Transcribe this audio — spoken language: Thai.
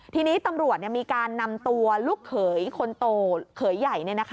ทีนี้ตำรวจมีการนำตัวลูกเขยคนโตเขยใหญ่